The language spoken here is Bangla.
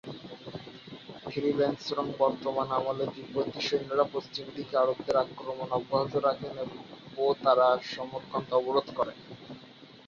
খ্রি-ল্দে-স্রোং-ব্ত্সানের আমলে তিব্বতী সৈন্যরা পশ্চিমদিকে আরবদের আক্রমণ অব্যাহত রাখেন ও তারা সমরকন্দ অবরোধ করেন।